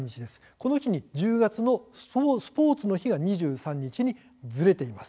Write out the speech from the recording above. この日に１０月のスポーツの日が２３日にずれています。